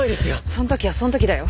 その時はその時だよ。